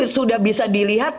sudah bisa dilihat